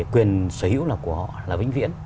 quyền sở hữu của họ là vĩnh viễn